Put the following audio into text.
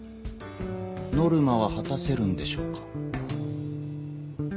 ノルマは果たせるんでしょうか。